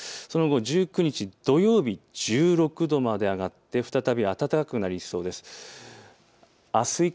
その後、１９日、土曜日１６度まで上がって再び暖かくなりそうです。